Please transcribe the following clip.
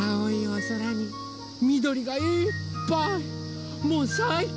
おそらにみどりがいっぱい。